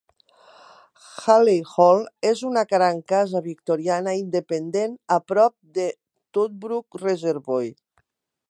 Whaley Hall és una gran casa victoriana independent a prop de Toddbrook Reservoir.